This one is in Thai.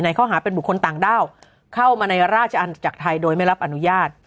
ข้อหาเป็นบุคคลต่างด้าวเข้ามาในราชอาณาจักรไทยโดยไม่รับอนุญาต